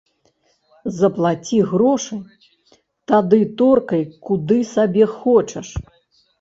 Заплаці грошы, тады торкай, куды сабе хочаш!